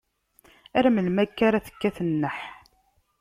Ar melmi akka ara tekkat nneḥ?